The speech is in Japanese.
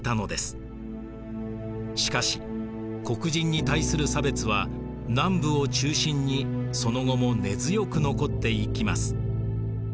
しかし黒人に対する差別は南部を中心にその後も根強く残っていきます。